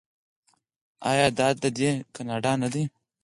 آیا دا دی کاناډا نه دی؟